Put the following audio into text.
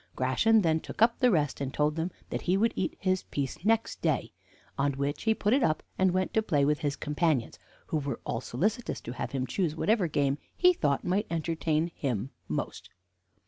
Gratian then took up the rest, and told them that he would eat his piece next day; on which he put it up, and went to play with his companions, who were all solicitous to have him choose whatever game he thought might entertain him most.